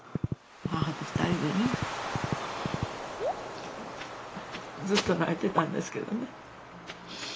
母と２人でね、ずっと泣いてたんですけどね。